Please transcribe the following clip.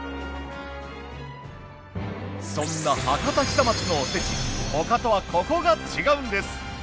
そんな博多久松のおせち他とはココが違うんです。